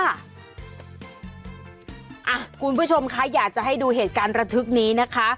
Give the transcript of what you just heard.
คุณผู้ชมคะอยากจะให้ดูเหตุการณ์ระทึกนี้นะคะ